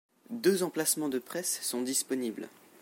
Deux emplacements de presse sont disponibles.